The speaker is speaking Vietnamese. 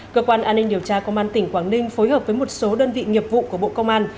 cơ quan an ninh điều tra công an tỉnh quảng ninh phối hợp với một số đơn vị nghiệp vụ của bộ công an